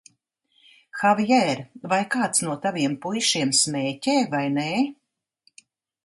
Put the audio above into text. Havjēr, vai kāds no taviem puišiem smēķē, vai nē?